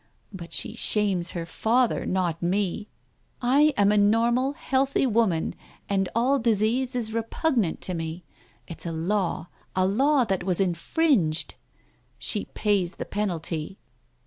But she shames her father, not me !... I am a normal healthy woman and all disease is repugnant to me. It's a law — a law that was infringed. ... She pays the penalty.